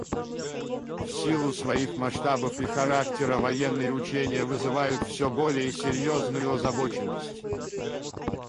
В силу своих масштабов и характера военные учения вызывают все более серьезную озабоченность.